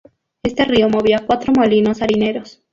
Este río movía cuatro molinos harineros.